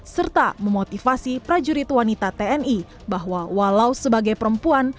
serta memotivasi prajurit wanita tni bahwa walau sebagai perempuan